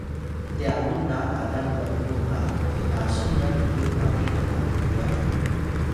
ptyawun na alang b’nux ga hnasun nya piyux maki alang rgyax